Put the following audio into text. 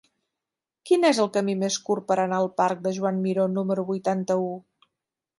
Quin és el camí més curt per anar al parc de Joan Miró número vuitanta-u?